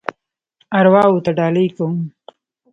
ارواوو ته ډالۍ کوم.